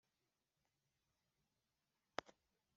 umwana wanjye Shela azakurira Kuko yibwiraga